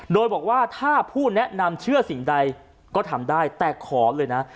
โดยบอกว่าถ้าผู้แนะนำเชื่อสิ่งใดก็ทำได้แต่ขอเลยนะ